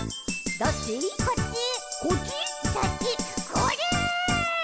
「これ！！」